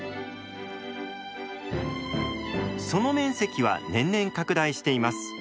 その面積は年々拡大しています。